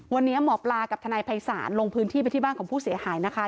วันนี้หมอปลากับทนายภัยศาลลงพื้นที่ไปที่บ้านของผู้เสียหายนะคะ